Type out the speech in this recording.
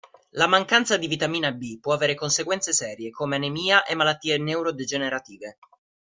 La mancanza di vitamina B può avere conseguenze serie, come anemia e malattie neurodegenerative.